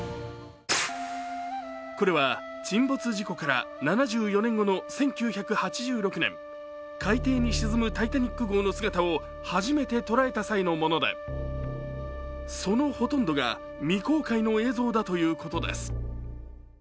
これは沈没事故から７４年後の１９８６年、海底に沈む「タイタニック号」の姿を初めて捉えた際のもので、そのほとんどが未公開の映像だということです。